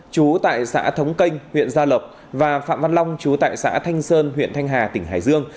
chú tại xã thống canh huyện gia lộc và phạm văn long chú tại xã thanh sơn huyện thanh hà tỉnh hải dương